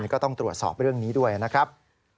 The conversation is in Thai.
ก็ต้องตรวจสอบเรื่องนี้ด้วยนะครับ